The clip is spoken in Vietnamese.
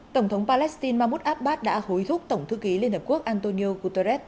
tổng thống palestine mahmoud abbas đã hối thúc tổng thư ký liên hợp quốc antonio guterres